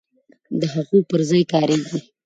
د هغو پر ځای کاریږي.